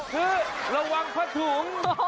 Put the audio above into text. คือระวังผ้าถุง